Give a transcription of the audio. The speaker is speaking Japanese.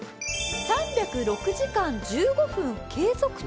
３０６時間１５分継続中？